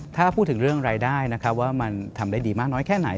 ถ้าพูดถึงเรื่องรายได้นะครับว่ามันทำได้ดีมากน้อยแค่ไหน